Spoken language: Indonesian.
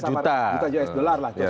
juta usd lah